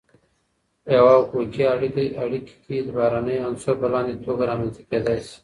په یوه حقوقی اړیکی کی بهرنی عنصر په لاندی توګه رامنځته کیدای سی :